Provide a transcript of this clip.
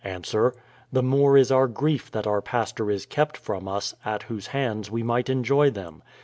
Ans: The more is our grief that our pastor is kept from us, at whose hands we might enjoy them.